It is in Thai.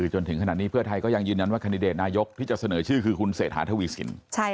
จนถึงขนาดนี้เพื่อไทยก็ยังยืนยันว่าคันดิเดตนายกที่จะเสนอชื่อคือคุณเศรษฐาทวีสิน